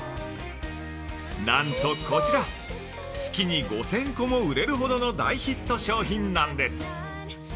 なんと、こちら月に５０００個も売れるほどの大ヒット商品なんです。